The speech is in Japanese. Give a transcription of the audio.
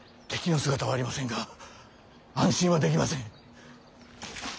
敵の姿はありませんが安心はできません。